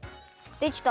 できた？